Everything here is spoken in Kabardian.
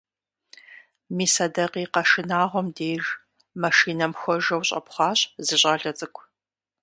Мис а дакъикъэ шынагъуэм деж машинэм хуэжэу щӀэпхъуащ зы щӀалэ цӀыкӀу.